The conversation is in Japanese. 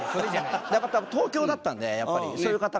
東京だったんでやっぱりそういう方が。